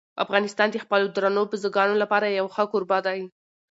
افغانستان د خپلو درنو بزګانو لپاره یو ښه کوربه دی.